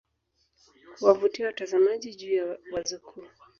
kuwavutia watazamaji juu ya wazo kuu